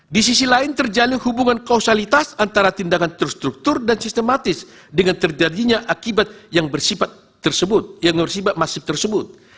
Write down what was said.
di sisi lain terjalin hubungan kausalitas antara tindakan terstruktur dan sistematis dengan terjadinya akibat yang bersifat tersebut yang bersifat masif tersebut